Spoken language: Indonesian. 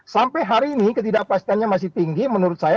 sampai hari ini ketidakpastiannya masih tinggi menurut saya